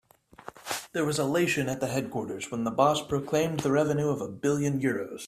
There was elation at the headquarters when the boss proclaimed the revenue of a billion euros.